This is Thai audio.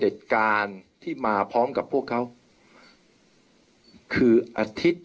เพื่อยุดยั้งการสืบทอดอำนาจของขอสอชอต่อและยังพร้อมจะเป็นนายกรัฐมนตรี